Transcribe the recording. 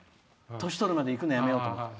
年をとるまで行くのやめようって。